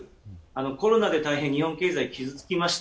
コロナで日本経済傷つきました。